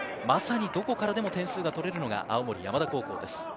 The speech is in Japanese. まさにどこからでも点数が取れるのが青森山田高校です。